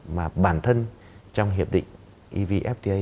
mà bản thân trong hiệp định evfta